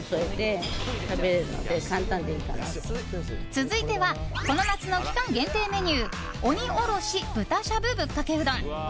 続いてはこの夏の期間限定メニュー鬼おろし豚しゃぶぶっかけうどん。